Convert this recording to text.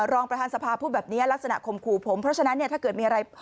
รองประธานสภาพูดแบบนี้ลักษณะข่มขู่ผมเพราะฉะนั้นเนี่ยถ้าเกิดมีอะไร